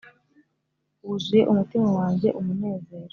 wuzuye umutima wanjye umunezero,